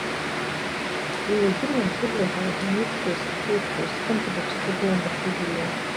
Уи илдыруан Хьыблеи ҳареи ҳанеиқәшәоз, ҳахьеиқәшәоз, хымԥада дцәыҵагыланы даҳзыӡырҩуан.